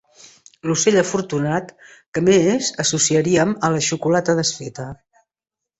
L'ocell afortunat que més associaríem a la xocolata desfeta.